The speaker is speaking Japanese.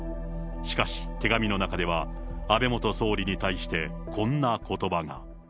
しかし、手紙の中では、安倍元総理に対して、こんなことばが。